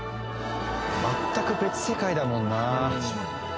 全く別世界だもんな。